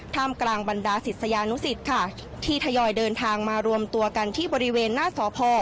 มกลางบรรดาศิษยานุสิตค่ะที่ทยอยเดินทางมารวมตัวกันที่บริเวณหน้าสพ